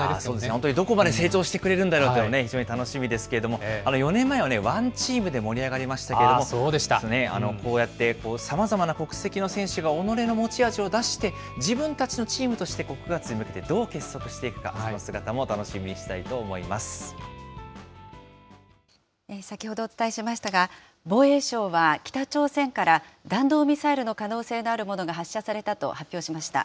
本当にどこまで成長してくれるんだろうと、非常に楽しみですけれども、４年前はＯＮＥＴＥＡＭで盛り上がりましたけれども、こうやって、さまざまな国籍の選手が己の持ち味を出して、自分たちのチームとして９月に向けてどう結束していくか、その姿も楽し先ほどお伝えしましたが、防衛省は北朝鮮から弾道ミサイルの可能性のあるものが発射されたと発表しました。